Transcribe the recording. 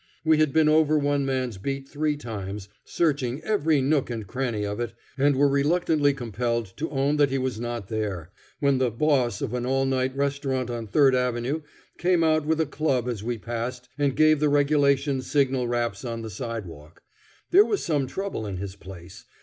We had been over one man's beat three times, searching every nook and cranny of it, and were reluctantly compelled to own that he was not there, when the "boss" of an all night restaurant on Third Avenue came out with a club as we passed and gave the regulation signal raps on the sidewalk. There was some trouble in his place.